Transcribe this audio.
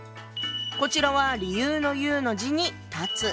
こちらは理由の「由」の字に「断つ」。